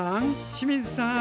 清水さん！